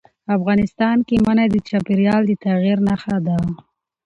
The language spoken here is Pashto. افغانستان کې منی د چاپېریال د تغیر نښه ده.